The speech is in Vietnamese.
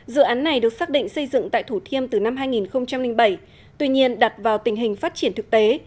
dự án này được xác định xây dựng tại thủ thiêm từ năm hai nghìn bảy tuy nhiên đặt vào tình hình phát triển thực tế